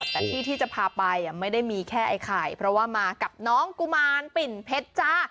แต่ที่ที่จะพาไปไม่ได้มีแค่ไอ้ไข่เพราะว่ามากับน้องกุมารปิ่นเพชรจ้า